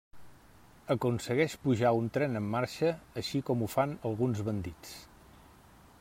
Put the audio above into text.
Aconsegueix pujar a un tren en marxa, així com ho fan alguns bandits.